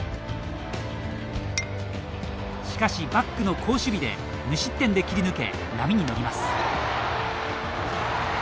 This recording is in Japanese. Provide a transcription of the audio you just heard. しかしバックの好守備で無失点で切り抜け波に乗ります。